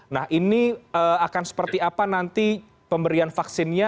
nah ini akan seperti apa nanti pemberian vaksinnya